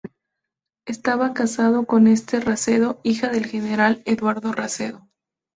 Estaba casado con Esther Racedo, hija del general Eduardo Racedo.